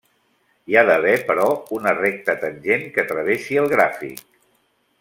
Hi ha d'haver però una recta tangent que travessi el gràfic.